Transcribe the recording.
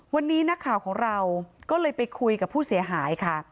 วันนี้นักข่าวของเราก็เลยไปคุยกับผู้เสียหายค่ะ